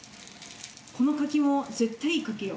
この柿も絶対いい柿よ。